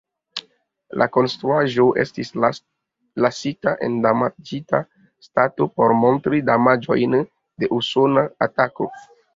La konstruaĵo estis lasita en damaĝita stato, por montri damaĝojn de usona atako.